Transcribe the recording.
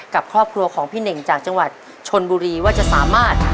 กับครอบครัวของพี่เน่งจากจังหวัดชนบุรีว่าจะสามารถ